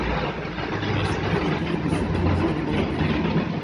Асабліва, калі музыкі ўжо не маладыя.